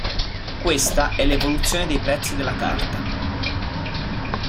Questa è l'evoluzione dei prezzi della carta.